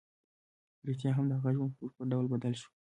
رښتیا هم د هغه ژوند په بشپړ ډول بدل شو